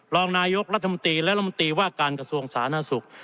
รองนายกรัฐมนตรีและรัฐมนตรีว่าการกระทรวงสาธารณสุข